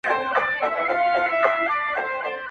يوه ورځ باران کيږي او کلي ته سړه فضا راځي,